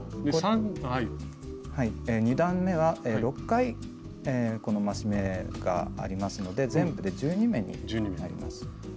２段めは６回この増し目がありますので全部で１２目になります。